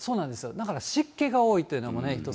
だから湿気が多いというのも一つ。